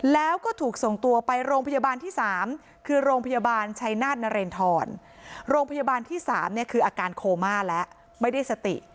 แล้วก็ถูกส่งตัวไปโรงพยาบาลที่๓คือโรงพยาบาลชัยนาธนเรนทรโรงพยาบาลที่๓เนี่ยคืออาการโคม่าแล้วไม่ได้สติ